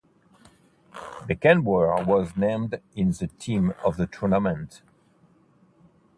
Beckenbauer was named in the Team of the Tournament.